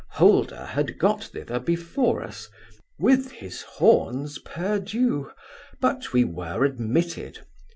Holder had got thither before us, with his horns perdue, but we were admitted.